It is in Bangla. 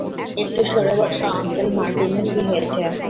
একটু সরে বসো - আঙ্কেল মার্টিনের কি হয়েছে?